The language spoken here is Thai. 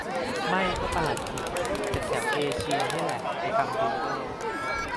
ไม่ก็ปลัดขิก จากแถวเอเชียนี่แหละ ไปทำดิลโด้